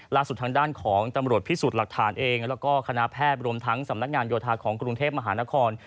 ล่าสุดทางด้านของตำรวจพิสูจน์หลักฐานเองแล้วก็คณะแพทย์รวมทั้งสำนักงานโยธาของกรุงเทพมหานคร